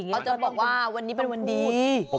เขาจะบอกว่าวันนี้เป็นวันดี